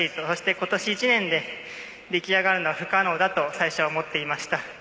そして１年で出来上がるのは不可能だと最初は思っていました。